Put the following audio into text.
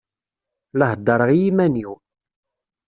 La heddṛeɣ i yiman-iw.